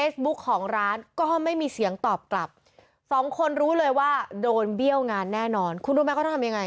สองคนรู้เลยว่าโดนเบี้ยวงานแน่นอนคุณรู้ไหมก็ต้องทำยังไง